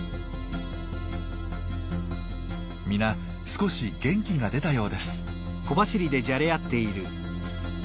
皆少し元気が出たようです。